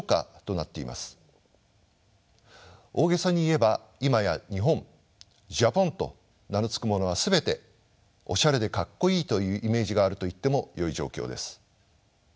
大げさに言えばいまや「日本・ＪＡＰＯＮ」と名の付くものは全ておしゃれで格好いいというイメージがあると言ってもよい状況です。